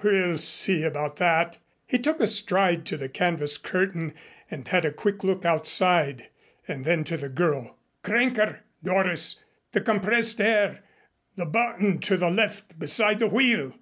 "We'll see about that." He took a stride to the canvas curtain and had a quick look outside. And then to the girl: "Crank her, Doris! The compressed air the button to the left beside the wheel!"